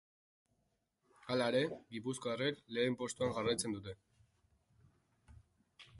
Halere, gipuzkoarrek lehen postuan jarraitzen dute.